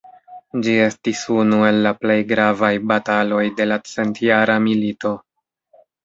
Ĝi estis unu el la plej gravaj bataloj de la Centjara Milito.